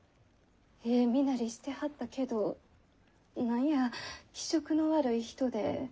ええ身なりしてはったけど何や気色の悪い人で。